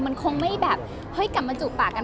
มันคงไม่แบบเฮ้ยกลับมาจุปากกัน